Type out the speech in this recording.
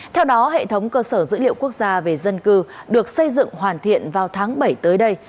theo đó hệ thống cơ sở dữ liệu quốc gia về dân cư được xây dựng hoàn thiện vào tháng bảy tới đây